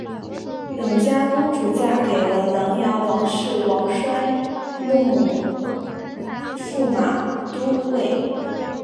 永嘉公主嫁给了琅琊王氏王铨拜驸马都尉。